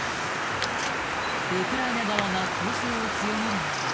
ウクライナ側が攻勢を強める中